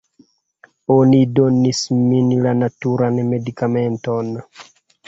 Oni donis min la naturan medikamenton